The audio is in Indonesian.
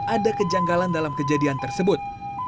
ada kejanggalan dalam kejadian tersebut